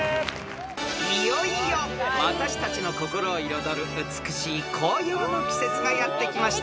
［いよいよ私たちの心を彩る美しい紅葉の季節がやって来ました］